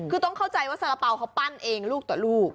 คือต้องเข้าใจว่าสาระเป๋าเขาปั้นเองลูกต่อลูก